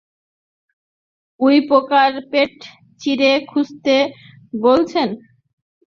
উইপোকার পেট চিরে খুঁজতে বলছেন?